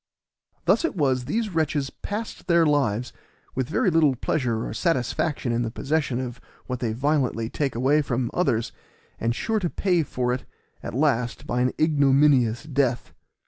Thus it was these wretches passed their lives, with very little pleasure or satisfaction in the possession of what they violently take away from others, and sure to pay for it at last by an ignominious death.